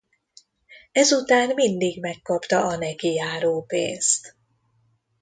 Ezután mindig megkapta a neki járó pénzt.